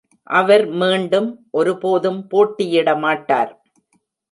அவர் மீண்டும் ஒருபோதும் போட்டியிட மாட்டார்.